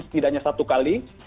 setidaknya satu kali